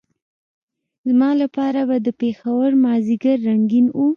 زما لپاره به د پېښور مازدیګر رنګین وو.